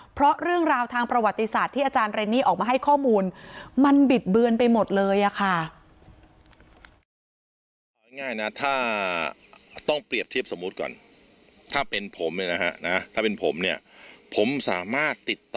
เพราะเรื่องราวทางประวัติศาสตร์ที่อาจารย์เรนนี่ออกมาให้ข้อมูลมันบิดเบือนไปหมดเลยอะค่ะ